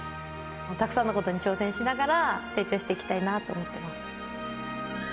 たくさんのことに挑戦しながら成長していきたいなと思ってます。